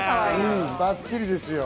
ばっちりですよ。